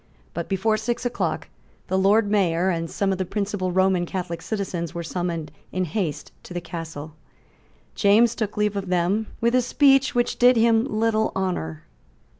But, before six o'clock, the Lord Mayor and some of the principal Roman Catholic citizens were summoned in haste to the Castle. James took leave of them with a speech which did him little honour.